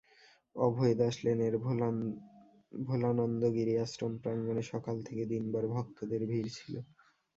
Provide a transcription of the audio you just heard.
অভয় দাস লেনের ভোলানন্দগিরি আশ্রম প্রাঙ্গণে সকাল থেকে দিনভর ভক্তদের ভিড় ছিল।